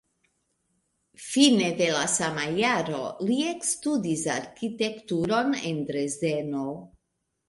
Fine de la sama jaro li ekstudis arkitekturon en Dresdeno.